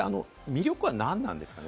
魅力はなんなんですかね？